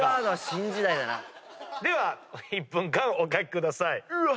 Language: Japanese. では１分間お描きください。